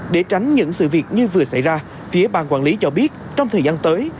để tránh những sự việc như vừa xảy ra phía bang quản lý cho biết trong thời gian tới